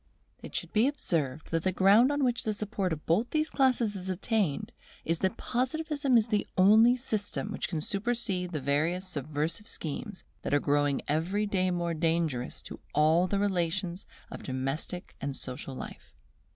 It should be observed that the ground on which the support of both these classes is obtained is, that Positivism is the only system which can supersede the various subversive schemes that are growing every day more dangerous to all the relations of domestic and social life.